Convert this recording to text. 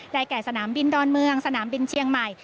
แก่สนามบินดอนเมืองสนามบินเชียงใหม่